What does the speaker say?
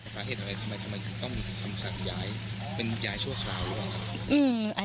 สาเหตุอะไรทำไมคุณต้องมีคำสั่งยายเป็นยายชั่วคราวหรือเปล่า